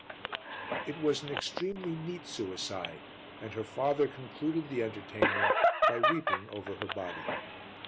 It was an extremely neat suicide and her father concluded the entertainment by weeping over her body.